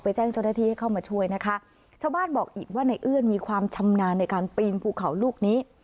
แจ้งเจ้าหน้าที่ให้เข้ามาช่วยนะคะชาวบ้านบอกอีกว่าในเอื้อนมีความชำนาญในการปีนภูเขาลูกนี้